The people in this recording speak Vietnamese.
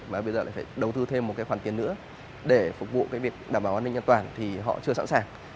mà bây giờ lại phải đầu tư thêm một cái khoản tiền nữa để phục vụ cái việc đảm bảo an ninh an toàn thì họ chưa sẵn sàng